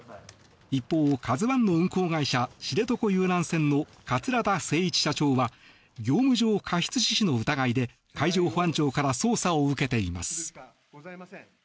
一方、「ＫＡＺＵ１」の運航会社知床遊覧船の桂田精一社長は業務上過失致死の疑いで海上保安庁から捜査を受けています。